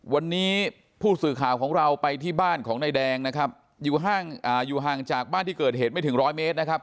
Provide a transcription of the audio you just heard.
วันนี้ผู้สื่อข่าวของเราไปที่บ้านของนายแดงนะครับอยู่ห่างจากบ้านที่เกิดเหตุไม่ถึงร้อยเมตรนะครับ